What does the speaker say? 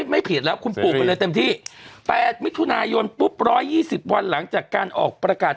๘มิถุนายนปุ๊บ๑๒๐วันหลังจากการออกประกาศ